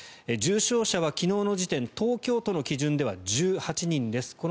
重症者は昨日の時点東京都の基準では１８人です。